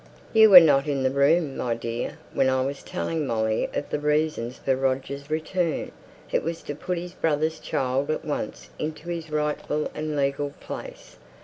"You were not in the room, my dear, when I was telling Molly of the reasons for Roger's return; it was to put his brother's child at once into his rightful and legal place.